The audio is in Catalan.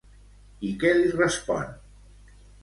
I què li respon?